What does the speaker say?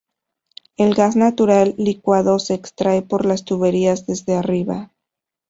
El gas natural licuado se extrae por las tuberías desde arriba.